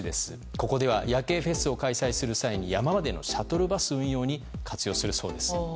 ここでは夜景フェスを開催する際に、山までのシャトルバスの運用に活用するそうです。